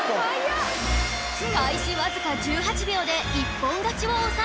開始わずか１８秒で一本勝ちを収めると